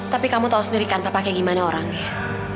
tapi kamu tahu sendiri kan papa kayak gimana orangnya